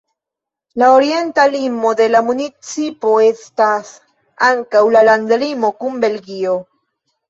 La orienta limo de la municipo estas ankaŭ la landlimo kun Belgio.